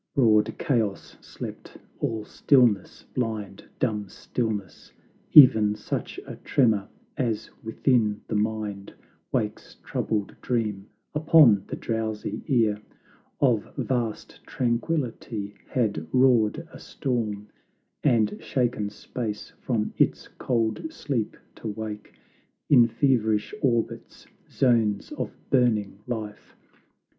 Broad Chaos slept; all stillness, blind, dumb stillness; E'en such a tremor as within the mind Wakes troubled dream, upon the drowsy ear Of vast Tranquility had roared a storm, And shaken Space from its cold sleep to wake In feverish orbits, zones of burning life!